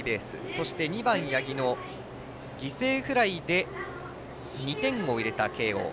そして２番、八木の犠牲フライで２点を入れた慶応。